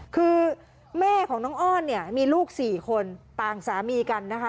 คือแม่ของน้องอ้อนเนี่ยมีลูก๔คนต่างสามีกันนะคะ